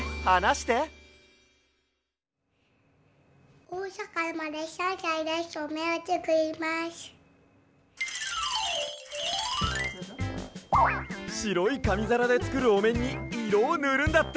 しろいかみざらでつくるおめんにいろをぬるんだって！